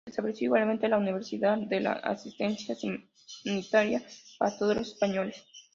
Se estableció igualmente la universalidad de la asistencia sanitaria para todos los españoles.